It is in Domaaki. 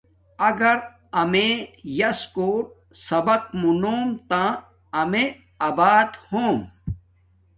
اگر امیے یاس کوت سبق مونوم تہ امیے آبات ہوم